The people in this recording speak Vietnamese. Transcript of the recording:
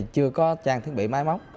chưa có trang thiết bị máy móc